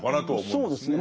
そうですね。